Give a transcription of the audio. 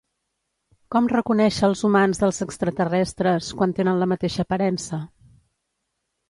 Com reconèixer els humans dels extraterrestres quan tenen la mateixa aparença?